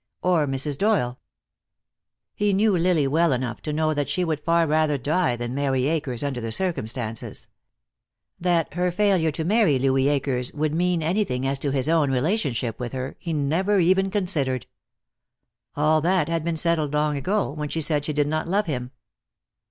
Or Mrs. Doyle. He knew Lily well enough to know that she would far rather die than marry Akers, under the circumstances. That her failure to marry Louis Akers would mean anything as to his own relationship with her he never even considered. All that had been settled long ago, when she said she did not love him.